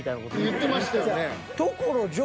言ってましたよね。